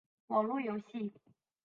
网络游戏